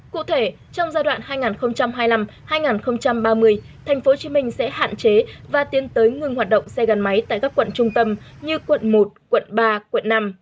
cụ thể trong giai đoạn hai nghìn hai mươi năm hai nghìn ba mươi tp hcm sẽ hạn chế và tiến tới ngừng hoạt động xe gắn máy tại các quận trung tâm như quận một quận ba quận năm